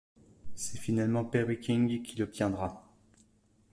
C'est finalement Perry King qui l'obtiendra.